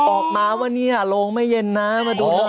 ออกมาว่าเนี่ยโลงไม่เย็นนะมาดูหน่อย